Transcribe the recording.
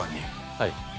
はい。